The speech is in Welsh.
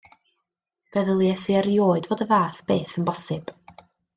Feddyliais i erioed fod y fath beth yn bosibl.